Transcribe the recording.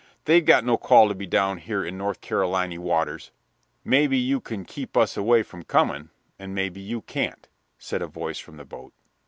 "They've got no call to be down here in North Caroliny waters." "Maybe you can keep us away from coming, and maybe you can't," said a voice from the boat.